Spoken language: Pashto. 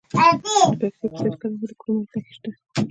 د پکتیا په سید کرم کې د کرومایټ نښې شته.